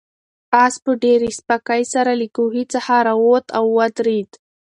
آس په ډېرې سپکۍ سره له کوهي څخه راووت او ودرېد.